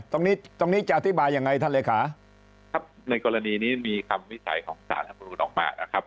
ตรงนี้จะอธิบายังไงท่านเลยค่ะครับในกรณีนี้มีคำวิจัยของสหรัฐบุรุษออกมานะครับ